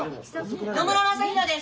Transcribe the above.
・野村正浩です。